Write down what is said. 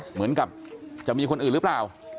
เหมือนกับจะมีคนอื่นหรือเปล่า